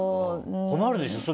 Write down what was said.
困るでしょ？